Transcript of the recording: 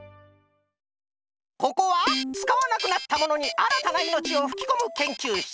ここはつかわなくなったものにあらたないのちをふきこむけんきゅうしつ。